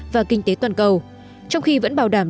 và kinh tế toàn cầu trong khi vẫn bảo đảm